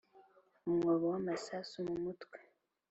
umwobo w'amasasu mu mutwe,